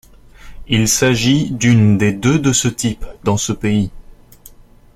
Il s'agit d'une des deux de ce type dans ce pays.